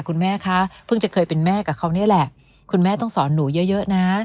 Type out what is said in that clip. คุณแม่คะเพิ่งจะเคยเป็นแม่กับเขานี่แหละคุณแม่ต้องสอนหนูเยอะเยอะนะ